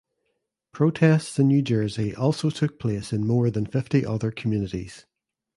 Protests in New Jersey also took place in more than fifty other communities.